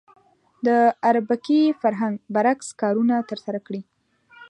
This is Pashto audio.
د اربکي فرهنګ برعکس کارونه ترسره کړي.